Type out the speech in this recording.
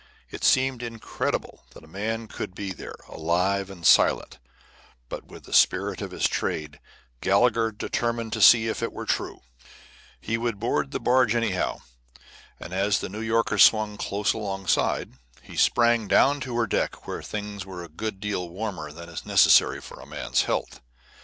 It seemed incredible that a man could be there, alive and silent; but, with the spirit of his trade, Gallagher determined to see if it were true: he would board the barge anyhow; and as the New Yorker swung close alongside, he sprang down to her deck, where things were a good deal warmer than is necessary for a man's health.